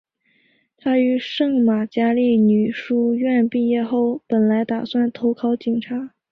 她于圣玛加利女书院毕业后本来打算投考警察。